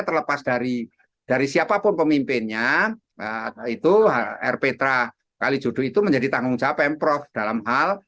terlepas dari dari siapapun pemimpinnya itu rptra kalijodo itu menjadi tanggung jawab pemprov dalam hal